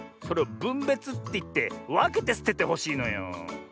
それをぶんべつっていってわけてすててほしいのよ。